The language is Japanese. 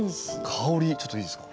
ちょっといいですか？